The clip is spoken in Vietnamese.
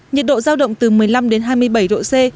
nhiệt độ giao động từ một mươi năm đến hai mươi bảy độ c